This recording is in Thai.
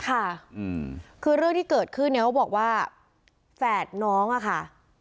ค่ะคือเรื่องที่เกิดขึ้นเนี่ยเขาบอกว่าแฝดน้องอะค่ะ